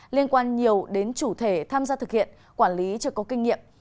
liên quan nhiều đến chủ thể tham gia thực hiện quản lý chưa có kinh nghiệm